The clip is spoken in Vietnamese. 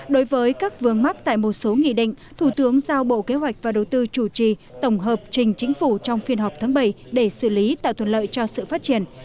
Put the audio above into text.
đối với các vương mắc tại một số nghị định thủ tướng giao bộ kế hoạch và đầu tư chủ trì tổng hợp trình chính phủ trong phiên họp tháng bảy để xử lý tạo thuận lợi cho sự phát triển